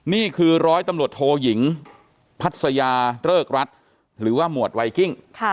นี่คือร้อยตำรวจโทยิงพัศยาเริกรัฐหรือว่าหมวดไวกิ้ง